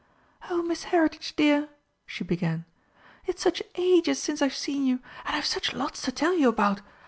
"Oh, Miss Heritage, dear," she began, "it's such ages since I've seen you, and I've such lots to tell you about.